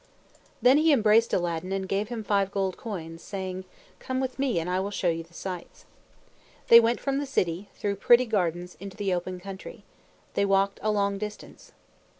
Then he embraced Aladdin and gave him five gold coins, saying, "Come with me, and I will show you the sights." They went from the city, through pretty gardens, into the open country. They walked a long distance.